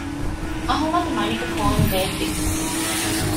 އަޙްމަދު މަނިކު ފޯނު ބޭއްވި